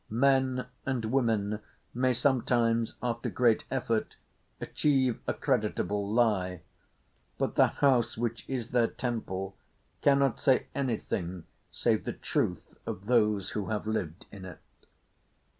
(Men and women may sometimes, after great effort, achieve a creditable lie; but the house, which is their temple, cannot say anything save the truth of those who have lived in it.)